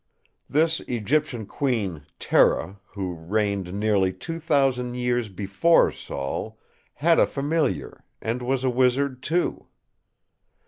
This Egyptian Queen, Tera, who reigned nearly two thousand years before Saul, had a Familiar, and was a Wizard too.